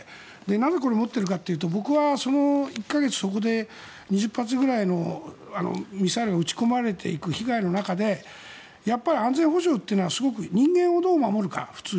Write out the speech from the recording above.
何で持っているかというと１か月、そこで２０発くらいのミサイルが撃ち込まれていく被害の中でやっぱり、安全保障というのは普通に暮らしている人間をどう守るか。